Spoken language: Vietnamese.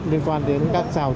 liên quan đến nhà trường